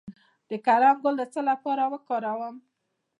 د کرم ګل د څه لپاره وکاروم؟